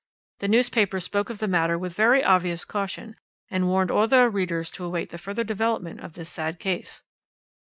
The newspapers spoke of the matter with very obvious caution, and warned all their readers to await the further development of this sad case.